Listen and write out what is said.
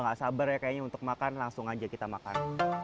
gak sabar ya kayaknya untuk makan langsung aja kita makan